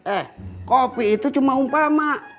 eh kopi itu cuma umpama